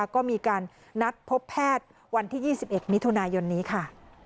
ก็มีการนัดพบแพทย์วันที่๒๑มิถุนายนนี้ค่ะ